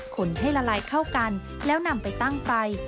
ให้ละลายเข้ากันแล้วนำไปตั้งไฟ